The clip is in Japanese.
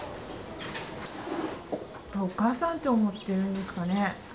お母さんって思ってるんですかね？